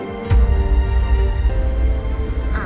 mereka juga mengontrak elsa